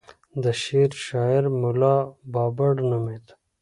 د شعر شاعر ملا بابړ نومېد.